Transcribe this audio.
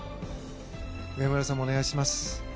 上村さんもお願いします。